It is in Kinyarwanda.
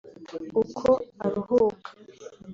uko aruhuka